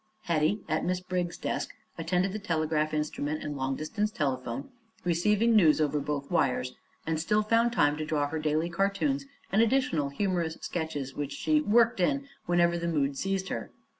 Hetty, at Miss Briggs' desk, attended the telegraph instrument and long distance telephone, receiving news over both wires, and still found time to draw her daily cartoons and additional humorous sketches which she "worked in" whenever the mood seized her.